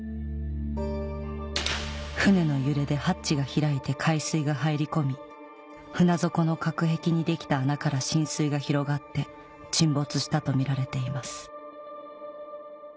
船の揺れでハッチが開いて海水が入り込み船底の隔壁に出来た穴から浸水が広がって沈没したとみられています